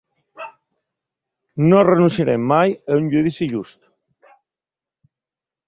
No renunciarem mai a un judici just.